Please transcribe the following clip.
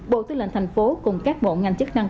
bộ tư lệnh thành phố cùng các bộ ngành chức năng